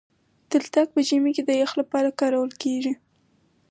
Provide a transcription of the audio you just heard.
تلتک په ژمي کي د يخ لپاره کارول کېږي.